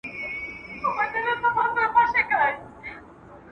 د جرګي د ټولو غړو نوملړ څوک برابروي؟